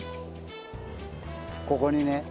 ここにね。